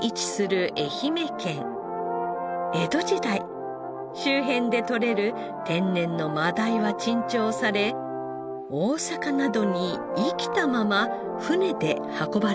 江戸時代周辺で獲れる天然の真鯛は珍重され大阪などに生きたまま船で運ばれていました。